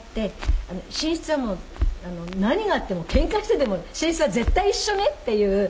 寝室は何があってもケンカしてでも寝室は絶対一緒ねっていう